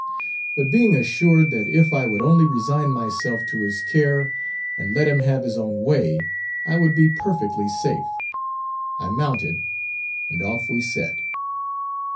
But being assured that if I would only resign myself to his care and let him have his own way, I would be perfectly safe, I mounted, and off we set.